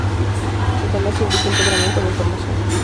El canal se dedica íntegramente a la información.